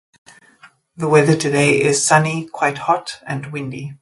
The weather today is sunny, quite hot, and windy.